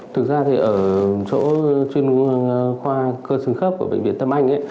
thực ra thì ở chỗ chuyên khoa cơ xứng khớp của bệnh viện tâm anh ấy